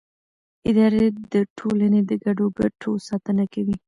اداره د ټولنې د ګډو ګټو ساتنه کوي.